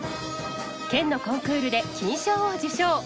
県のコンクールで金賞を受賞。